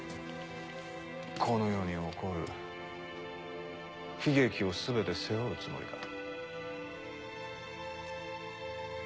この世に起こる悲劇を全て背負うつもりか？